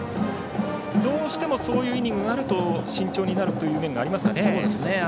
どうしてもそういうイニングがあると慎重になる面がありますかね。